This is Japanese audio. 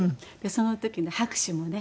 その時の拍手もね